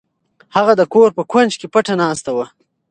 هغه د کور په کونج کې پټه ناسته وه.